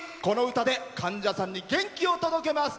この歌で患者さんに元気を届けます！